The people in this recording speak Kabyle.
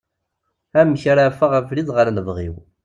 Amek ara aɣef abrid ɣer lebɣi-w?